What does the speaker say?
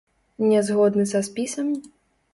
Не згодны са спісам?